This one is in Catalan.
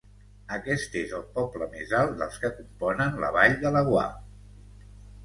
Aquest és el poble més alt dels que componen la Vall de Laguar.